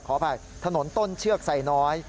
ขออภัยถนนต้นเชือกไซน้อย